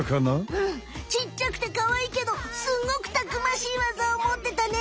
うんちっちゃくてかわいいけどスゴくたくましいワザをもってたね。